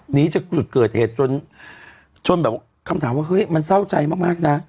หนีจากจุดเกิดเหตุจนจนแบบคำถามว่าเฮ้ยมันเศร้าใจมากนะ